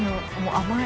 甘い。